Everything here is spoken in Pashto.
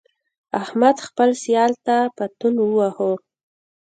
احمد خپل سیال ته پتون وواهه.